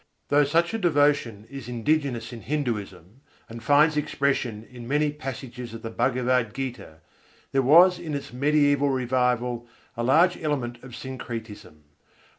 Though such a devotion is indigenous in Hinduism, and finds expression in many passages of the Bhagavad Gîtâ, there was in its mediæval revival a large element of syncretism.